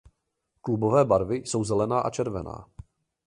Klubové barvy jsou zelená a červená.